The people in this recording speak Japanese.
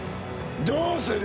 どうする？